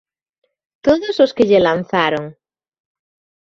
Todos os que lle lanzaron.